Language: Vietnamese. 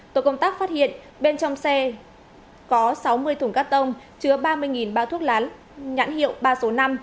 tổ công tác phát hiện bên trong xe có sáu mươi thùng cắt tông chứa ba mươi bao thuốc lá nhãn hiệu ba số năm